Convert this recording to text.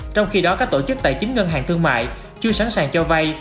trong khi đó các tổ chức tài chính ngân hàng thương mại chưa sẵn sàng cho vay